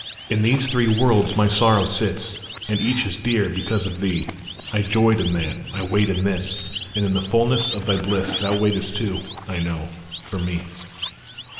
In these three worlds my Sorrow sits, And each is dear because of thee ; I joyed in that, I wait in this, And in the fulness of thy bliss Thou waitest too, I know, for me.